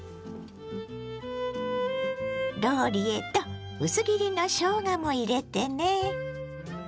ローリエと薄切りのしょうがも入れてね。